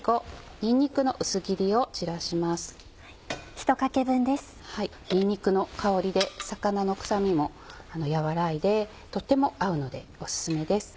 にんにくの香りで魚の臭みも和らいでとても合うのでお勧めです。